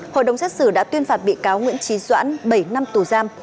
hội đồng xét xử đã tuyên phạt bị cáo nguyễn trí doãn bảy năm tù giam